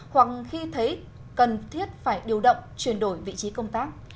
hoặc khi thấy cần thiết phải điều động chuyển đổi vị trí công tác